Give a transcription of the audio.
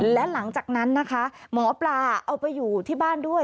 และหลังจากนั้นนะคะหมอปลาเอาไปอยู่ที่บ้านด้วย